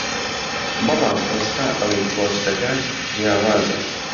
بەڵام ئێستا ئەوەی کۆچ دەکات جیاوازە